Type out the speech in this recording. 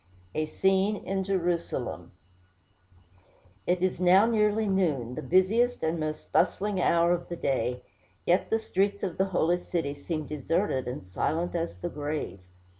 A SCENE IN JERUSALEM It is now nearly noon, the busiest and most bustling hour of the day; yet the streets of the Holy City seem deserted and silent as the grave.